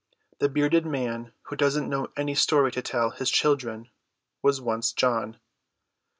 The bearded man who doesn't know any story to tell his children was once John.